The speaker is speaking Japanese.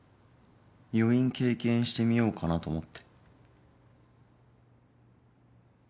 余韻経験してみようかなと思って。